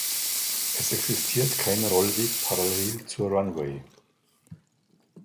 Es existiert kein Rollweg parallel zur Runway.